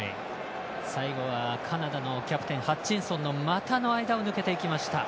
最後はカナダのキャプテンハッチンソンの股の間を抜けていきました。